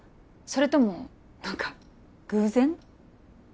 それとも何か偶然？